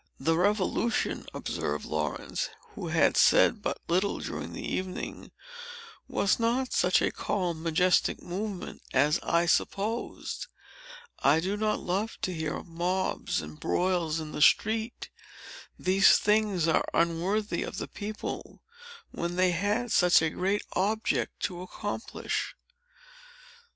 "The Revolution," observed Laurence, who had said but little during the evening, "was not such a calm, majestic movement as I supposed. I do not love to hear of mobs and broils in the street. These things were unworthy of the people, when they had such a great object to accomplish."